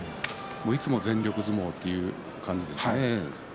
いつも全力相撲という感じですね。